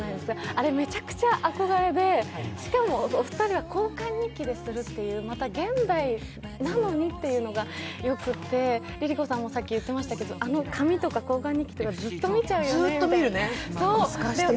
あれ、めちゃくちゃ憧れで、しかもお二人は交換日記という、また、現代なのにっていうのがよくて、ＬｉＬｉＣｏさんも言ってましたけど、あの紙とか交換日記とか、ずっと見ちゃうよね。